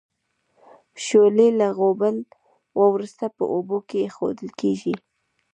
شولې له غوبل وروسته په اوبو کې اېښودل کیږي.